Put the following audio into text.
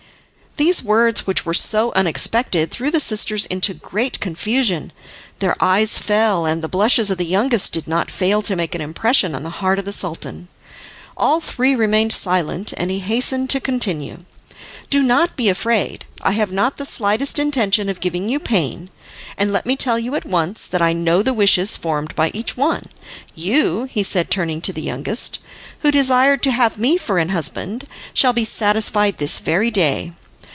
These words, which were so unexpected, threw the sisters into great confusion, their eyes fell, and the blushes of the youngest did not fail to make an impression on the heart of the Sultan. All three remained silent, and he hastened to continue: "Do not be afraid, I have not the slightest intention of giving you pain, and let me tell you at once, that I know the wishes formed by each one. You," he said, turning to the youngest, "who desired to have me for an husband, shall be satisfied this very day.